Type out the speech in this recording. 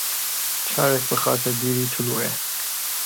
چاوێک بخاتە بیری تلووعێ